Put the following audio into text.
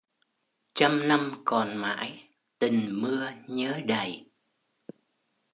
Trăm năm còn mãi tình mưa nhớ đầy...